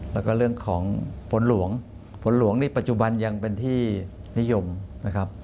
แล้วก็เรื่องของฝนหลวงฝนหลวงนี่ปัจจุบันยังเป็นที่นิยมนะครับ